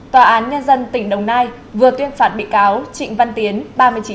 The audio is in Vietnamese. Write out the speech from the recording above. tòa án nhân dân tỉnh đồng nai vừa tuyên phạt bị cáo trịnh văn tiến ba mươi chín tuổi